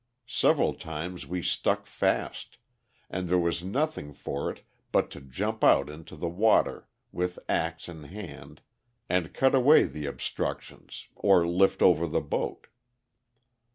Several times we stuck fast, and there was nothing for it but to jump out into the water with ax in hand and cut away the obstructions or lift over the boat.